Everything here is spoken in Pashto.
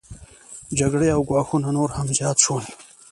جګړې او ګواښونه نور هم زیات شول